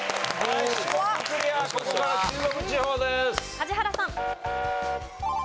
梶原さん。